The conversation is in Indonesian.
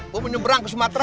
gue mau nyeberang ke sumatera